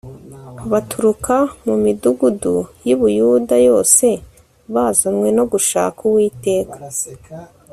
baturuka mu midugudu yi Buyuda yose bazanywe no gushaka Uwiteka